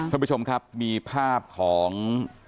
ท่านผู้ชมครับมีภาพของ